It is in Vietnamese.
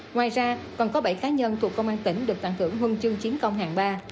ngoài ra còn có bảy cá nhân thuộc công an tỉnh được tặng thưởng huân chương chiến công hạng ba